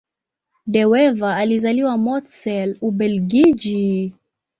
De Wever alizaliwa Mortsel, Ubelgiji.